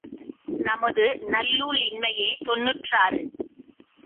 நமது நல்லூழின்மையே! தொன்னூற்றாறு.